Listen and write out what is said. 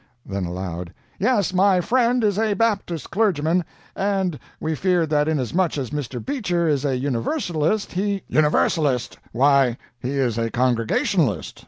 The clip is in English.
Then aloud: "Yes, my friend is a Baptist clergyman, and we feared that inasmuch as Mr. Beecher is a Universalist, he—" "Universalist! Why, he is a Congregationalist.